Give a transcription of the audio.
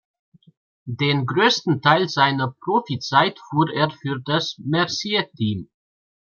Den größten Teil seiner Profizeit fuhr er für das Mercier-Team.